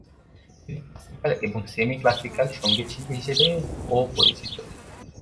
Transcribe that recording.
তিনি ক্লাসিক্যাল এবং সেমি-ক্লাসিক্যাল সংগীত শিল্পী হিসেবে ও পরিচিত।